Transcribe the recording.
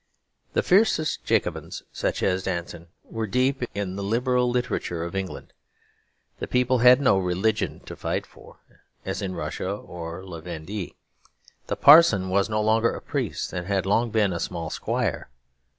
The fiercest Jacobins, such as Danton, were deep in the liberal literature of England. The people had no religion to fight for, as in Russia or La Vendée. The parson was no longer a priest, and had long been a small squire.